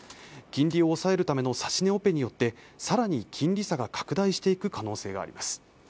金利を抑えるための指し値オペによって更に金利差が拡大していく可能性があります。